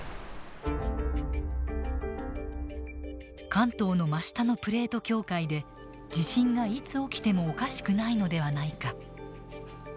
関東の真下のプレート境界で地震がいつ起きてもおかしくないのではないか。